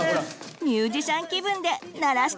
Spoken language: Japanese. ミュージシャン気分で鳴らしてみよう！